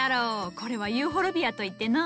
これはユーフォルビアといってのう。